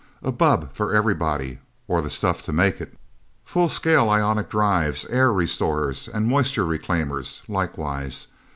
"A bubb for everybody or the stuff to make it. Full scale ionic drives, air restorers and moisture reclaimers, likewise.